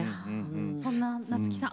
そんな夏木さん